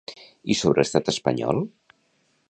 I sobre l'estat espanyol?